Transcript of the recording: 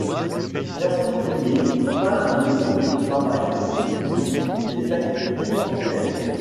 Gaston Prunier peint le monde du travail, les usines et les activités portuaires.